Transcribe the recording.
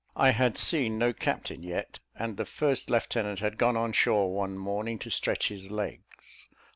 I had seen no captain yet, and the first lieutenant had gone on shore one morning to stretch his legs.